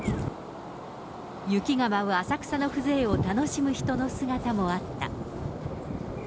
雪が舞う浅草の風情を楽しむ人の姿もあった。